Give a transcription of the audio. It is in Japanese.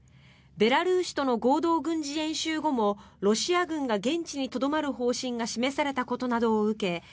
ベラルーシとの合同軍事演習後もロシア軍が現地にとどまる方針が示されたことなどを受け